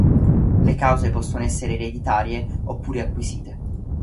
Le cause possono essere ereditarie oppure acquisite.